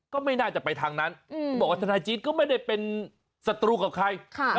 ก็ไม่น่าจะไปทางนั้นเขาบอกว่าทนายจี๊ดก็ไม่ได้เป็นศัตรูกับใคร